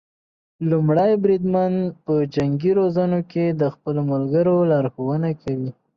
لومړی بریدمن په جنګي روزنو کې د خپلو ملګرو لارښونه کوي.